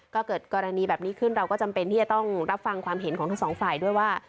ก็เกิดกรณีแบบนี้ขึ้นเราก็จำเป็นที่จะต้องรับฟังความเห็นของทั้งสองฝ่ายด้วยว่า